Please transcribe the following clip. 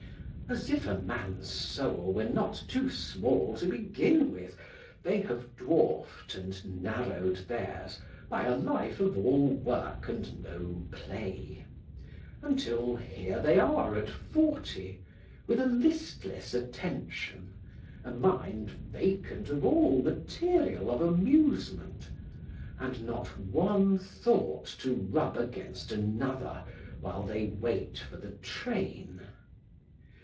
As if a man's soul were not too small to begin with, they have dwarfed and narrowed theirs by a life of all work and no play; until here they are at forty, with a listless attention, a mind vacant of all material of amusement, and not one thought to rub against another, while they wait for the train.